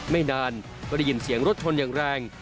ไม่นานก็ได้ยินเสียงรถชนอย่างแรง